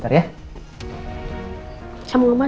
kplay ini itu maksimal